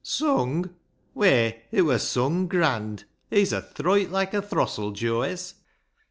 " Sung ! whey, it wur sung grand ! He's a throit like a throstle, Joe hes."